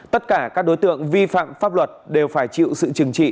tất cả các đối tượng vi phạm pháp luật đều phải chịu sự trừng trị